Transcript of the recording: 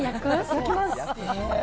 焼きます。